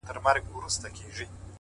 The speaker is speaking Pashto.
كله”كله يې ديدن تــه لـيونـى سم”